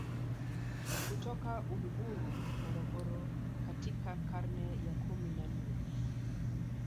kutoka Uluguru Morogoro katika karne ya kumi na nane